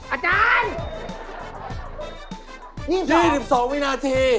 อาจารย์๒๒วินาที